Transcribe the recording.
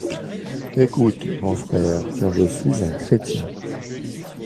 Écoute, mon frère, car je suis un chrétien!